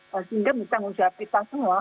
sehingga menjaga kita semua